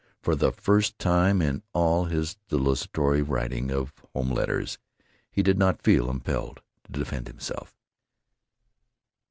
For the first time in all his desultory writing of home letters he did not feel impelled to defend himself.